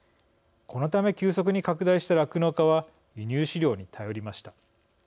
このため急速に拡大した酪農家は輸入飼料に頼りました。